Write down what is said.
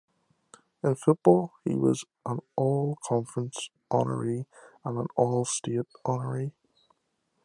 In football, he was an All-Conference honoree and an All-State honoree.